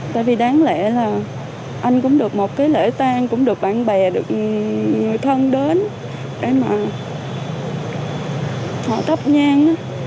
tại vì đáng lẽ là anh cũng được một cái lễ tan cũng được bạn bè được người thân đến để mà họ tấp nhan